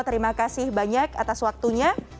terima kasih banyak atas waktunya